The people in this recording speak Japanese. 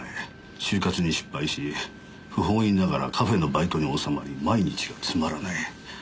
就活に失敗し不本意ながらカフェのバイトに納まり毎日がつまらねえ。